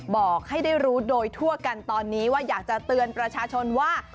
บอกให้ได้รู้โดยทั่วกันตอนนี้ว่าอยากจะเตือนประชาชนว่า